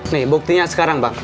nih buktinya sekarang bang